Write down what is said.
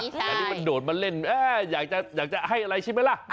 แต่นี่มันโดดมาเล่นอยากจะให้อะไรใช่ไหมล่ะ